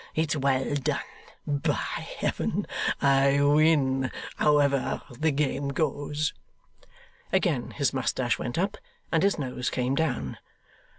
It's well done! By Heaven! I win, however the game goes.' Again his moustache went up, and his nose came down.